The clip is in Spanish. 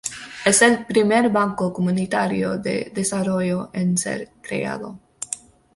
Es el primer banco comunitario de desarrollo en ser creado.